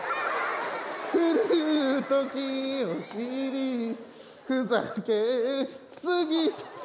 「降る時を知り」「ふざけすぎた」